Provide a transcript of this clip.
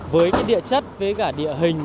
với cái địa chất với cả địa hình